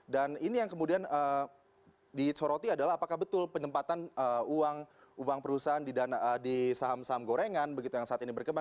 dan ini yang kemudian disoroti adalah apakah betul penyempatan uang uang perusahaan di saham saham gorengan begitu yang saat ini berkembang